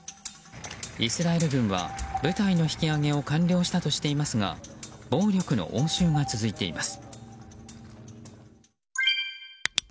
イスラエル軍は部隊の引き揚げを完了したとしていますが暴力の応酬が続いています。